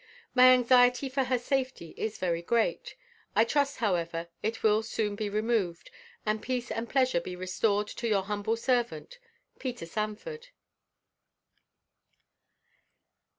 My anxiety for her safety is very great. I trust, however, it will soon be removed, and peace and pleasure be restored to your humble servant, PETER SANFORD.